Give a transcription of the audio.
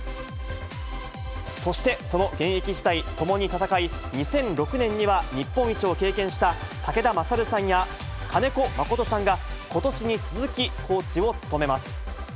そして、その現役時代、共に戦い、２００６年には日本一を経験した、武田勝さんや金子誠さんが、ことしに続き、コーチを務めます。